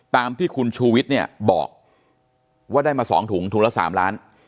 ตามที่คุณชูวิทย์เนี่ยบอกว่าได้มา๒ถุงถุงละ๓ล้าน